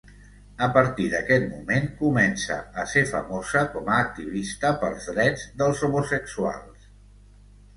A partir d'aquest moment comença a ser famosa com a activista pels drets dels homosexuals.